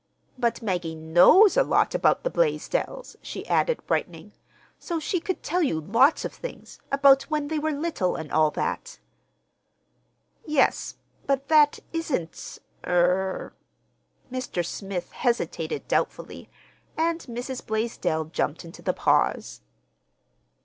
"But Maggie knows a lot about the Blaisdells," she added, brightening; "so she could tell you lots of things—about when they were little, and all that." "Yes. But—that isn't—er—" Mr. Smith hesitated doubtfully, and Mrs. Blaisdell jumped into the pause.